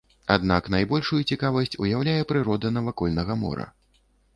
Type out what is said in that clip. Аднак найбольшую цікавасць уяўляе прырода навакольнага мора.